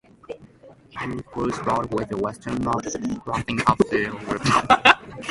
Edinburgh Road was the westernmost crossing of the Speed River.